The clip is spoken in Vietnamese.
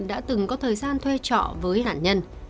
đã từng có thời gian thuê trọ với nạn nhân